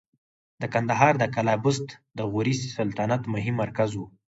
د کندهار د قلعه بست د غوري سلطنت مهم مرکز و